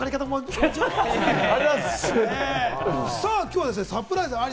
きょうはサプライズあり？